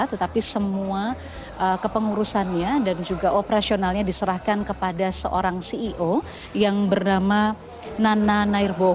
tetapi semua kepengurusannya dan juga operasionalnya diserahkan kepada seorang ceo yang bernama nana nairbo